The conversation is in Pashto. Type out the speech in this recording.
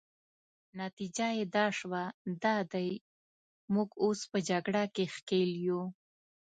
نتیجه يې دا شوه، دا دی موږ اوس په جګړه کې ښکېل یو.